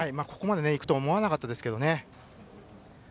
ここまでいくと思わなかったんですけれどね。